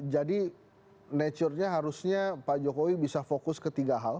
jadi nature nya harusnya pak jokowi bisa fokus ke tiga hal